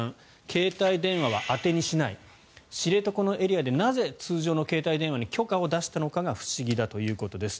携帯電話は当てにしない知床のエリアでなぜ通常の携帯電話に許可を出したのか不思議だということです。